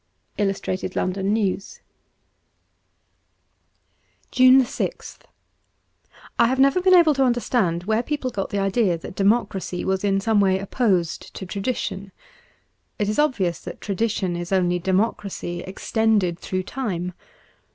'Illustrated London News' »7S JUNE 6th I HAVE never been able to understand where people got the idea that democracy was in some way opposed to tradition. It is obvious that tradition is only democracy extended through time.